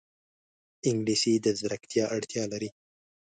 انګلیسي د ځیرکتیا اړتیا لري